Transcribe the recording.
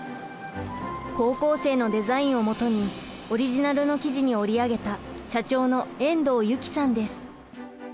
高校生のデザインをもとにオリジナルの生地に織り上げた社長の遠藤由貴さんです。